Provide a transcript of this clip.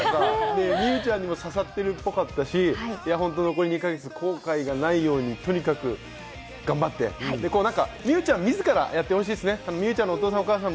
美羽ちゃんにも刺さってるっぽかったですし、残り２か月、後悔がないように、とにかく頑張って、美羽ちゃん自らがやってほしいですね。